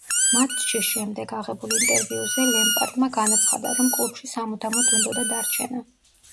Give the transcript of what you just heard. მატჩის შემდეგ აღებულ ინტერვიუზე ლემპარდმა განაცხადა, რომ კლუბში სამუდამოდ უნდოდა დარჩენა.